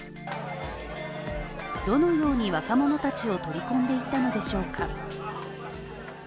どのように若者たちを取り込んでいったのでしょうか？